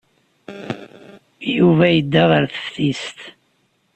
Yuba yedda ɣer teftist.